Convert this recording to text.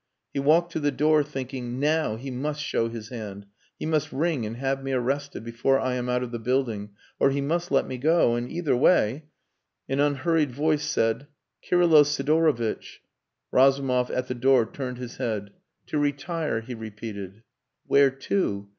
He walked to the door, thinking, "Now he must show his hand. He must ring and have me arrested before I am out of the building, or he must let me go. And either way...." An unhurried voice said "Kirylo Sidorovitch." Razumov at the door turned his head. "To retire," he repeated. "Where to?"